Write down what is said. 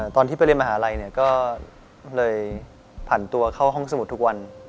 ตอนที่ไปเรียนมหาลัยก็เลยผ่านตัวเข้าห้องสมุดทุกวัน